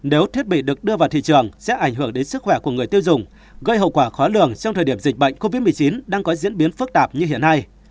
nếu thiết bị được đưa vào thị trường sẽ ảnh hưởng đến sức khỏe của người tiêu dùng gây hậu quả khó lường trong thời điểm dịch bệnh covid một mươi chín đang có diễn biến phức tạp như hiện nay